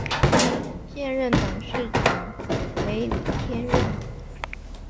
现任董事长为李天任。